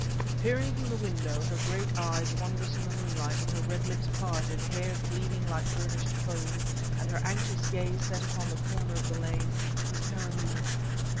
Peering from the window, her great eyes wondrous in the moonlight and her red lips parted, hair gleaming like burnished foam and her anxious gaze set upon the corner of the lane was Karamaneh...